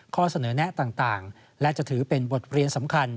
ข้อเสนอแนะต่างและจะถือเป็นบทเรียนสำคัญ